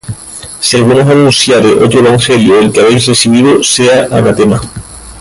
Si alguno os anunciare otro evangelio del que habéis recibido, sea anatema.